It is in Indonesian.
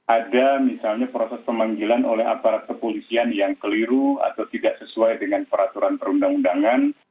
ada misalnya proses pemanggilan oleh aparat kepolisian yang keliru atau tidak sesuai dengan peraturan perundang undangan